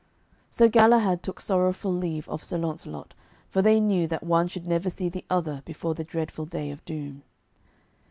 So Galahad took sorrowful leave of Sir Launcelot, for they knew that one should never see the other before the dreadful day of doom.